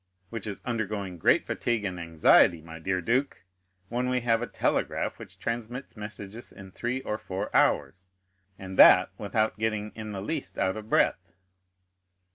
"Which is undergoing great fatigue and anxiety, my dear duke, when we have a telegraph which transmits messages in three or four hours, and that without getting in the least out of breath."